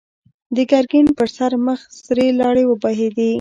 د ګرګين پر سره مخ سرې لاړې وبهېدې.